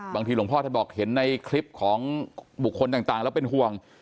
หลวงพ่อท่านบอกเห็นในคลิปของบุคคลต่างแล้วเป็นห่วง